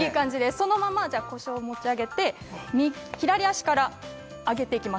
そのまま腰を持ち上げて左足から上げていきます